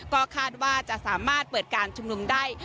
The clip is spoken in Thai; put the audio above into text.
ก็คาดว่าจะสามารถเปิดการชุมนุมได้